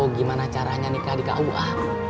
gimana caranya nikah di kua